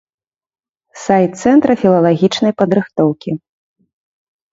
Сайт цэнтра філалагічнай падрыхтоўкі.